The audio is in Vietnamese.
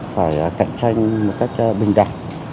phải cạnh tranh một cách bình đẳng